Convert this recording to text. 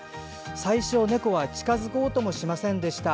最初、猫は近づこうともしませんでした。